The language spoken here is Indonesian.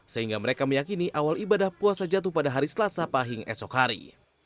sehingga mereka meyakini awal ibadah puasa jatuh pada hari selasa pahing esok hari